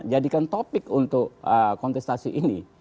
jadikan topik untuk kontestasi ini